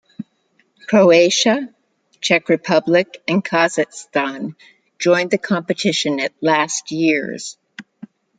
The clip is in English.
Croatia, Czech Republic and Kazakhstan joined the competition at last years.